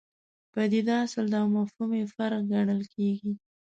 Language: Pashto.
پدیده اصل ده او مفهوم یې فرع ګڼل کېږي.